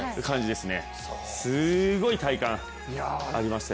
すごい体感、ありましたよ。